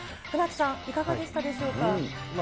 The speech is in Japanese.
船木さん、いかがでしたでしょうか。